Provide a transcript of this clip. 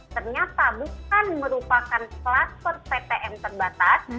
ternyata bukan merupakan kluster ptm terbatas